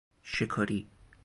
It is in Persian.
شکاری